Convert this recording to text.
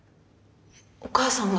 お母さんが？